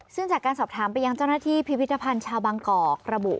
ซึ่งจากการสอบถามไปยังเจ้าหน้าที่พิพิธภัณฑ์ชาวบางกอกระบุ